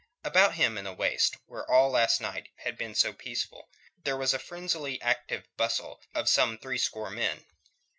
About him in the waist, where all last night had been so peaceful, there was a frenziedly active bustle of some threescore men.